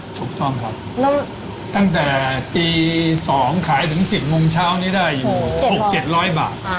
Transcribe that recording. ถูกต้องครับแล้วตั้งแต่ตี๒ขายถึง๑๐โมงเช้านี้ได้อยู่๖๗๐๐บาท